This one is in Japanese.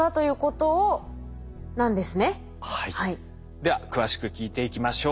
では詳しく聞いていきましょう。